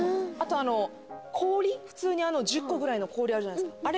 あと氷普通に１０個ぐらいの氷あるじゃないですか。